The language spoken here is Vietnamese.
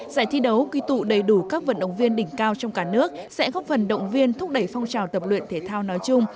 giải thi đấu quy tụ đầy đủ các vận động viên đỉnh cao trong cả nước sẽ góp phần động viên thúc đẩy phong trào tập luyện thể thao nói chung